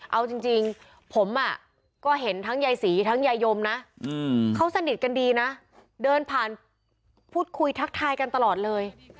เอาจริงผมก็เห็นทั้งยายศรีทั้งยายมนะเขาสนิทกันดีนะเดินผ่านพูดคุยทักทายกันตลอดเลย